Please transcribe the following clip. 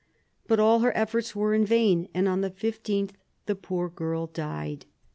But all her efforts were in vain, and on the 15th the poor girl died.